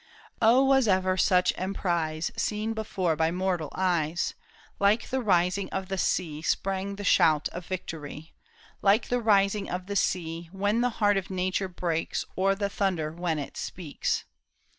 O was ever such emprise Seen before by mortal eyes ! Like the rising of the sea Sprang the shout of victory ; Like the rising of the sea AVhen the heart of nature breaks, Or the thunder when it speaks.